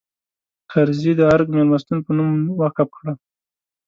کرزي د ارګ مېلمستون په نوم وقف کړه.